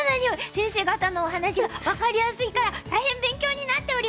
先生方のお話が分かりやすいから大変勉強になっております！